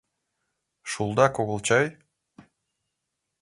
— Шулдак огыл чай?